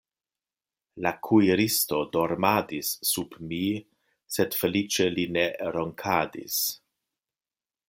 La kuiristo dormadis sub mi, sed feliĉe li ne ronkadis.